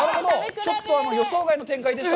ちょっと予想外の展開でした。